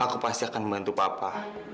aku pasti akan membantu papa